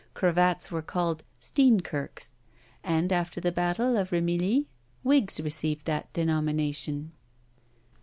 cravats were called Steenkirks; and after the battle of Ramilies, wigs received that denomination.